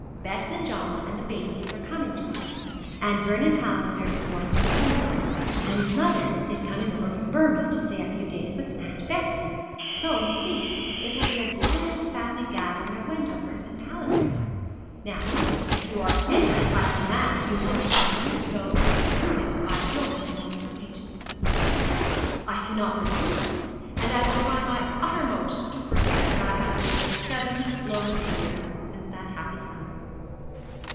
Bess and John and the babies are coming to us, and Vernon Palliser is going to the Homestead, and his mother is coming over from Bournemouth to stay a few days with Aunt Betsy; so you see it will be a grand family gathering of Wendovers and Pallisers. Now, if you are anything like the man you were seven years ago, prove it by joining us on this occasion.' 'I cannot refuse; and I will try my uttermost to forget that I have lived seven lonely years since that happy summer.'